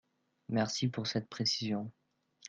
Merci pour cette précision.